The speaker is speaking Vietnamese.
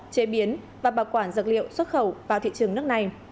chế biến và bảo quản dược liệu xuất khẩu vào thị trường nước này